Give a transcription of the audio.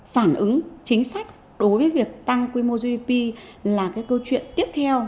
phản ứng chính sách đối với việc tăng quy mô gdp là cái câu chuyện tiếp theo